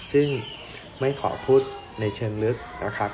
ซึ่งไม่ขอพูดในเชิงลึกนะครับ